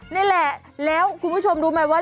นี่แหละแล้วคุณผู้ชมรู้ไหมว่า